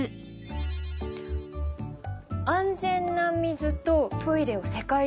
「安全な水とトイレを世界中に」だね。